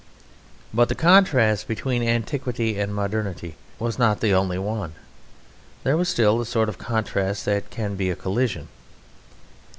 But the contrast between antiquity and modernity was not the only one; there was still the sort of contrast that can be a collision.